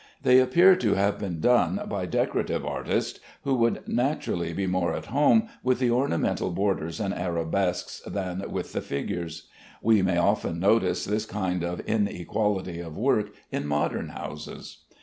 They appear to have been done by decorative artists, who would naturally be more at home with the ornamental borders and arabesques than with the figures. We may often notice this kind of inequality of work in modern houses.